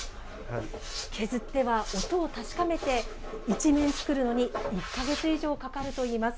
削っては音を確かめて１面作るのに１か月以上かかるといいます。